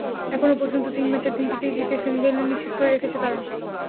এখনো পর্যন্ত তিন ম্যাচের তিনটিতেই জিতে সেমিফাইনাল নিশ্চিত করে রেখেছে তারা।